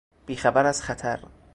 بی خبر از خطر